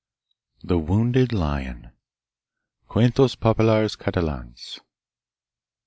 The Wounded Lion Cuentos Populars Catalans.